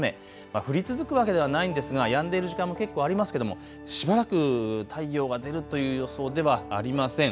降り続くわけではないんですがやんでる時間も結構ありますけどしばらくしばらく太陽が出るという予想ではありません。